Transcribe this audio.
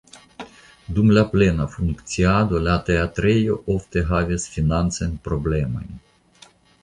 Dum la plena funkciado la teatrejo ofte havis financajn problemojn.